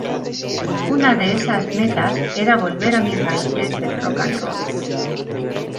Una de esas metas, era volver a mis raíces del "rock-and-roll".